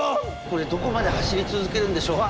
これどこまで走り続けるんでしょう？